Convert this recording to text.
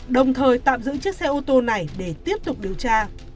đồng thời tạm giữ chiếc xe ô tô này để tiếp tục điều tra